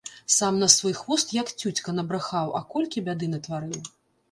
Сам на свой хвост, як цюцька, набрахаў, а колькі бяды натварыў.